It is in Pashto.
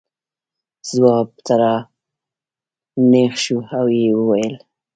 ځواب ته را نېغ شو او یې وویل.